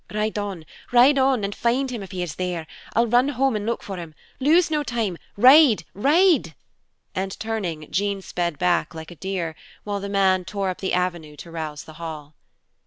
"Ride on, ride on! And find him if he is there. I'll run home and look for him. Lose no time. Ride! Ride!" And turning, Jean sped back like a deer, while the man tore up the avenue to rouse the Hall.